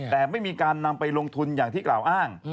แต่ไม่มีการนำไปลงทุนอย่างที่กล่าวอ้าง